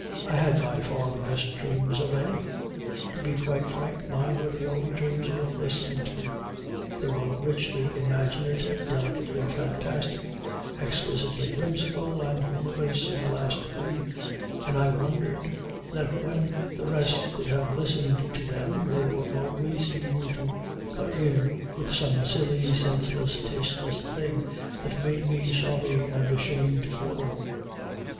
I had by far the best dreams of any; to be quite frank, mine were the only dreams worth listening to; they were richly imaginative, delicately fantastic, exquisitely whimsical, and humorous in the last degree; and I wondered that when the rest could have listened to them they were always eager to cut in with some silly, senseless, tasteless thing that made me sorry and ashamed for them.